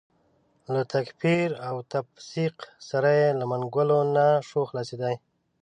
له تکفیر او تفسیق سره یې له منګولو نه شو خلاصېدای.